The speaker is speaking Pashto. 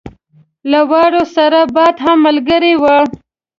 له واورې سره باد هم ملګری وو.